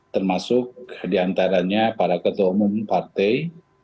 termasuk diantaranya para ketua umum partai